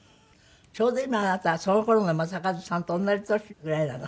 ちょうど今のあなたはその頃の正和さんと同じ年ぐらいなの？